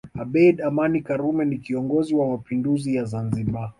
Abeid Amani Karume ni kiongozi wa Mapinduzi ya Zanzibar